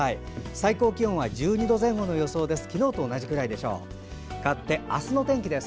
最高気温は１２度前後の予想です。